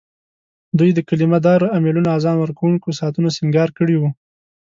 دوی د کلیمه دارو امېلونو، اذان ورکوونکو ساعتو سینګار کړي وو.